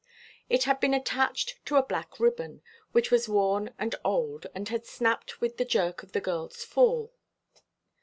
It had been attached to a black ribbon, which was worn and old, and had snapped with the jerk of the girl's fall.